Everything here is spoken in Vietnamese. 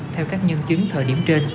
theo các nhân chứng thời điểm trên